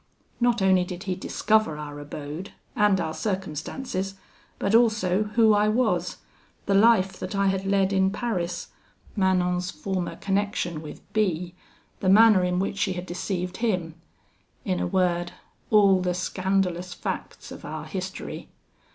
Not only did he discover our abode and our circumstances, but also who I was the life that I had led in Paris Manon's former connection with B , the manner in which she had deceived him: in a word, all the scandalous facts of our history.